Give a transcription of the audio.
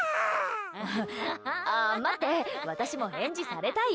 待って、私も返事されたい。